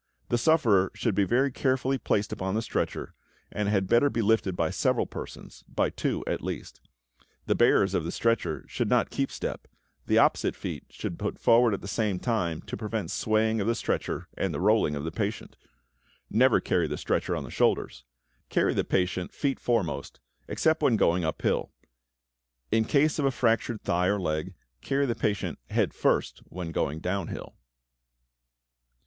The sufferer should be very carefully placed upon the stretcher, and had better be lifted by several persons, by two at least. The bearers of the stretcher should not keep step, the opposite feet should be put forward at the same time to prevent the swaying of the stretcher and the rolling of the patient. Never carry the stretcher on the shoulders. Carry the patient feet foremost, except when going up hill. In case of a fractured thigh or leg, carry the patient head first when going down hill.